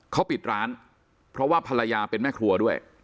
เขาปิดร้านเพราะว่าภรรยาเป็นแม่ครัวด้วย